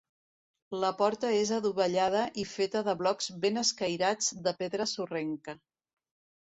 La porta és adovellada i feta de blocs ben escairats de pedra sorrenca.